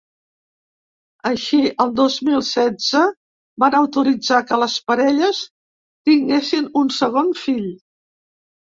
Així, el dos mil setze van autoritzar que les parelles tinguessin un segon fill.